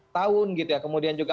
tahun gitu ya kemudian juga